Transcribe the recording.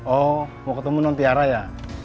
oh mau ketemu non tiara ya